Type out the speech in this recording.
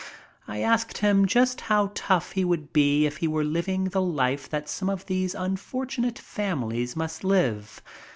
I asked him just how tough he would be if he were living the life that some of these unfortunate families must live.